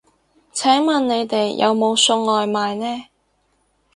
請問你哋有冇送外賣呢